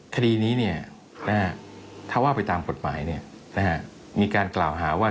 คดีนี้ถ้าว่าไปตามกฎหมายมีการกล่าวหาว่า